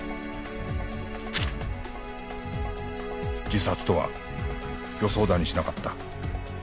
自殺とは予想だにしなかった